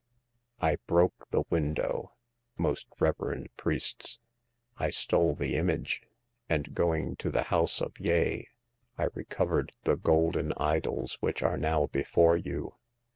I broke the window, most reverend priests ; I stole the image, and going to the house of Yeh, I recovered the golden idols which are now before you.